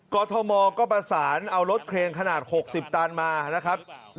กรทมก็ประสานเอารถเครนขนาด๖๐ตันมานะครับ